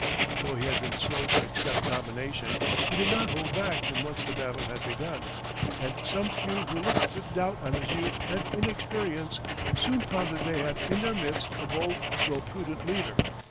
Though he had been slow to accept nomination, he did not hold back when once the battle had begun, and some few who looked with doubt on his youth and inexperience soon found that they had in their midst a bold though prudent leader.